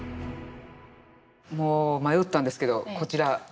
もう迷ったんですけどこちら。